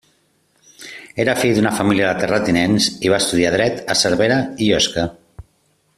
Era fill d'una família de terratinents i va estudiar dret a Cervera i Osca.